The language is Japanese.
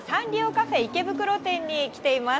カフェ池袋店に来ています。